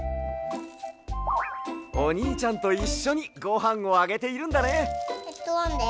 おにいちゃんといっしょにごはんをあげているんだね。